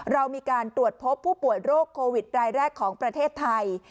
เรามีการตรวจพบผู้ป่วยโรคโควิดรายแรกของประเทศไทย